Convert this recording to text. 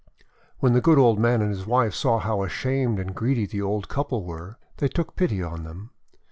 When the good old man and his wife saw how ashamed the greedy old couple were, they took pity on them.